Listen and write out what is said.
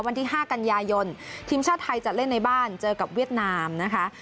วันที่๕กันยายนทีมชาติไทยจะเล่นในบ้านเจอกับเวียดนามนะคะ